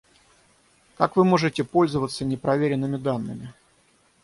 Как Вы можете пользоваться непроверенными данными?